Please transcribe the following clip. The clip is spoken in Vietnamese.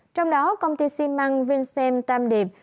trong đó công ty xi măng vinsen tam điệp